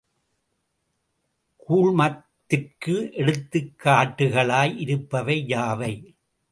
கூழ்மத்திற்கு எடுத்துக்காட்டுகளாய் இருப்பவை யாவை?